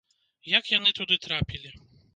Як яны туды трапілі?